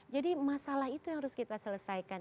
jadi masalah itu yang harus kita selesaikan